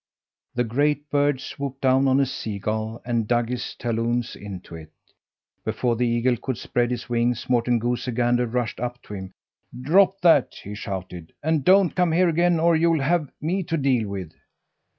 The great bird swooped down on a sea gull and dug his talons into it. Before the eagle could spread his wings, Morten Goosey Gander rushed up to him. "Drop that!" he shouted, "and don't come here again or you'll have me to deal with!"